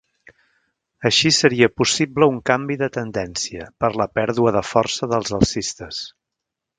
Així seria possible un canvi de tendència per la pèrdua de força dels alcistes.